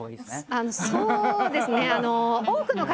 ああそうですね！